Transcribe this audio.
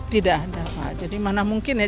tidak ada pak jadi mana mungkin ya